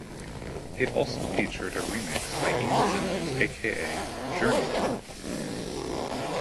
It also featured a remix by Ian Simmons aka Journeyman.